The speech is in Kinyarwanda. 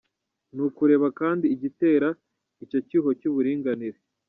Ni ukureba kandi igitera icyo cyuho cy’uburinganire.